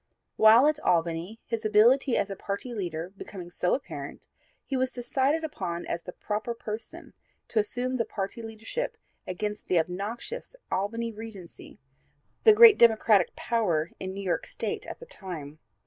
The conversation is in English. While at Albany his ability as a party leader becoming so apparent he was decided upon as the proper person to assume the party leadership against the obnoxious 'Albany Regency,' the great Democratic power in New York State at the time.